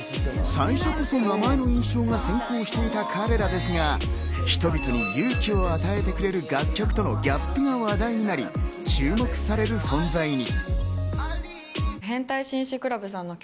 最初こそ名前の印象が先行していた彼らですが、人々に勇気を与えてくれる楽曲とのギャップが話題になり、注目される存在に。